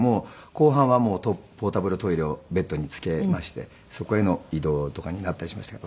後半はもうポータブルトイレをベッドに付けましてそこへの移動とかになったりしましたけど。